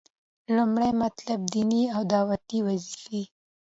لومړی مطلب - ديني او دعوتي وظيفي: